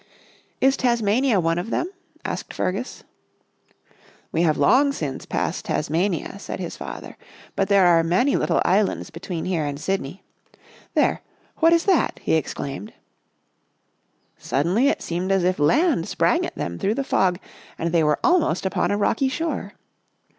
" Is Tasmania one of them? " asked Fergus. " We have long since passed Tasmania," said his father. " But there are many little islands between here and Sydney. There! What is 12 Our Little Australian Cousin that? " he exclaimed. Suddenly it seemed as if land sprang at them through the fog and they were almost upon a rocky shore.